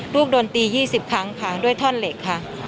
โดนตี๒๐ครั้งค่ะด้วยท่อนเหล็กค่ะ